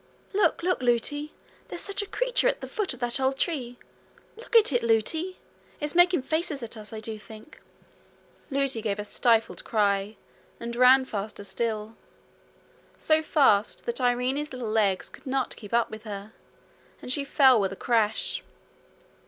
'Look, look, Lootie! There's such a curious creature at the foot of that old tree. Look at it, Lootie! It's making faces at us, I do think.' Lootie gave a stifled cry, and ran faster still so fast that Irene's little legs could not keep up with her, and she fell with a crash.